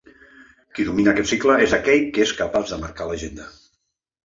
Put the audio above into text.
Qui domina aquest cicle és aquell que és capaç de marcar l’agenda.